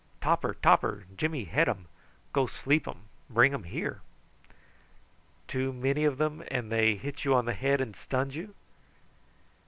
Topper, topper, Jimmy head um. Go sleep um. Bring um here." "Too many of them, and they hit you on the head and stunned you?"